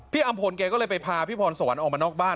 อำพลแกก็เลยไปพาพี่พรสวรรค์ออกมานอกบ้าน